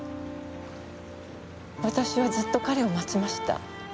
私はずっと彼を待ちました。